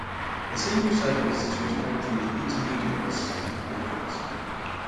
The single-serving visitor is called through the intermediate of static methods.